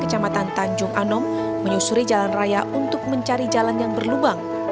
kecamatan tanjung anom menyusuri jalan raya untuk mencari jalan yang berlubang